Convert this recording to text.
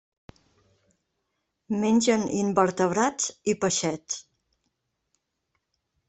Mengen invertebrats i peixets.